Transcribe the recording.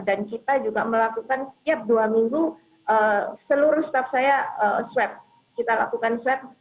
dan kita juga melakukan setiap dua minggu seluruh staff saya swab kita lakukan swab